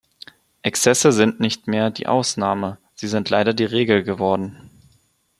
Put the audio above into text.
Exzesse sind nicht mehr die Ausnahme, sie sind leider die Regel geworden.